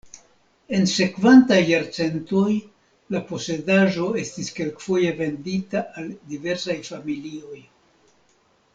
En sekvantaj jarcentoj la posedaĵo estis kelkfoje vendita al diversaj familioj.